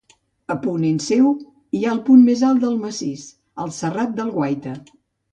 A ponent seu hi ha el punt més alt del massís, el Serrat del Guaita.